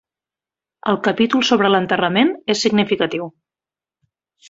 El capítol sobre l'enterrament és significatiu.